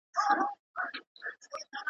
ویالې به وچي باغ به وي مګر باغوان به نه وي.